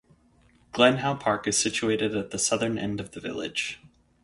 Glen Howe Park is situated at the southern end of the village.